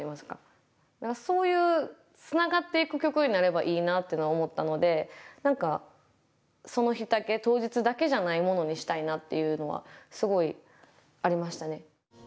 だからそういうつながっていく曲になればいいなっていうのは思ったので何かその日だけ当日だけじゃないものにしたいなっていうのはすごいありましたね。